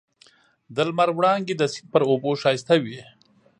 د لمر وړانګې د سیند پر اوبو ښایسته وې.